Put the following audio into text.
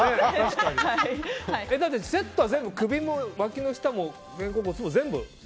だってセットは首も、わきの下も肩甲骨も全部？